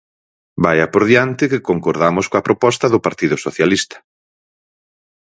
Vaia por diante que concordamos coa proposta do Partido Socialista.